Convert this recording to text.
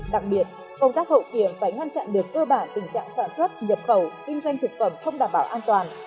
đặc biệt công tác hậu kiểm phải ngăn chặn được cơ bản tình trạng sản xuất nhập khẩu kinh doanh thực phẩm không đảm bảo an toàn